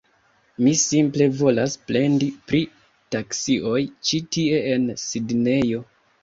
Mi simple volas plendi pri taksioj ĉi tie en Sidnejo.